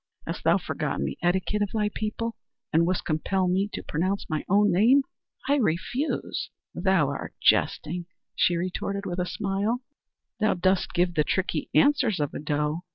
"Hast thou forgotten the etiquette of thy people, and wouldst compel me to pronounce my own name? I refuse; thou art jesting!" she retorted with a smile. "Thou dost give the tricky answers of a doe.